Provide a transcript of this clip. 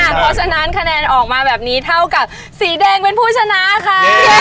เพราะฉะนั้นคะแนนออกมาแบบนี้เท่ากับสีแดงเป็นผู้ชนะค่ะ